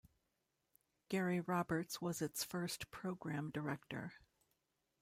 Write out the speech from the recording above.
Gary Roberts was its first Programme Director.